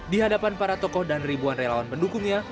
di hadapan para tokoh dan ribuan relawan pendukungnya